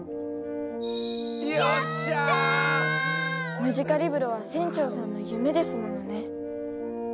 ムジカリブロは船長さんの夢ですものね。